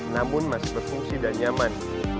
namun masih berfungsi dan nyaman